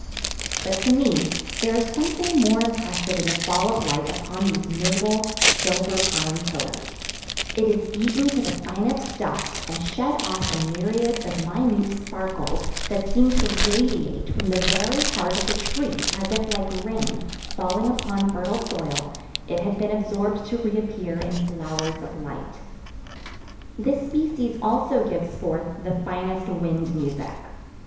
But to me there is something more impressive in the fall of light upon these noble, silver pine pillars: it is beaten to the finest dust and shed off in myriads of minute sparkles that seem to radiate from the very heart of the tree as if like rain, falling upon fertile soil, it had been absorbed to reappear in flowers of light. This species also gives forth the finest wind music.